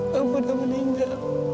kamu udah meninggal